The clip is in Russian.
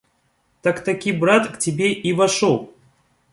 Так-таки брат к тебе и вошел?